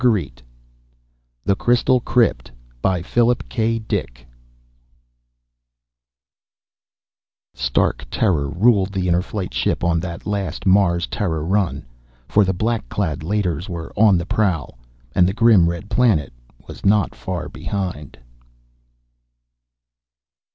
pgdp.net THE CRYSTAL CRYPT By PHILIP K. DICK _Stark terror ruled the Inner Flight ship on that last Mars Terra run. For the black clad Leiters were on the prowl ... and the grim red planet was not far behind.